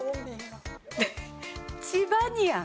チバニアン。